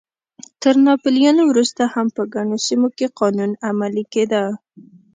تر ناپلیون وروسته هم په ګڼو سیمو کې قانون عملی کېده.